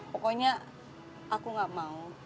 pokoknya aku enggak mau